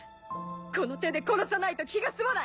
この手で殺さないと気が済まない！